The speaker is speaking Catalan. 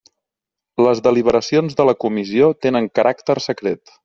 Les deliberacions de la Comissió tenen caràcter secret.